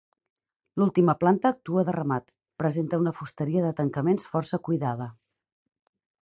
L'última planta actua de remat, presenta una fusteria de tancaments força cuidada.